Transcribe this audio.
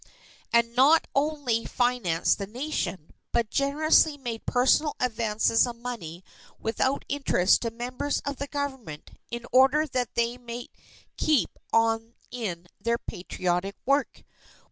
And he not only financed the Nation, but generously made personal advances of money without interest to members of the Government, in order that they might keep on in their patriotic work.